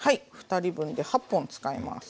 ２人分で８本使います。